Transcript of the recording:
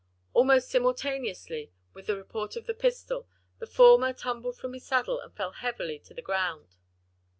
Almost simultaneously with the report of the pistol the former tumbled from the saddle and fell heavily to the ground.